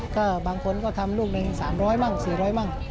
ก็บางคนก็ทำลูกหนึ่ง๓๐๐มั่ง๔๐๐มั่ง